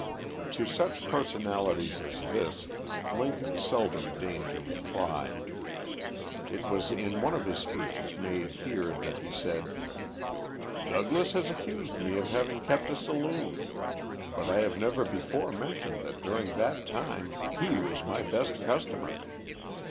To such personalities as this, Lincoln seldom deigned to reply. It was in one of his speeches made here that he said: "Douglas has accused me of having kept a saloon. But I have never before mentioned that during that time, he was my best customer.